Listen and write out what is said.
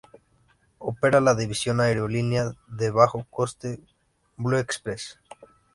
Opera la división aerolínea de bajo coste Blu-express.